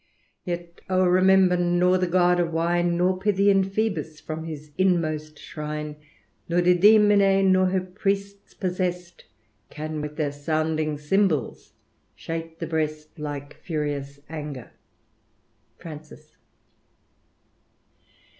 Yet O ! remember, nor the god of wine. Nor Pythian Phabus from his inmost shrine, Nor Dindymene^ nor her priests possest, Can with their sounding cymbals shake the breast, Idke furious anger." Francis.